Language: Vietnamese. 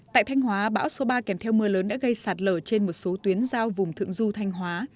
tại thanh hóa bão số ba kèm theo mưa lớn đã gây sạt lở trên một số tuyến giao vùng thượng du thanh hóa